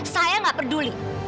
saya nggak peduli